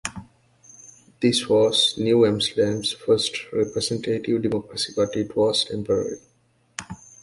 This was New Amsterdam's first representative democracy, but it was temporary.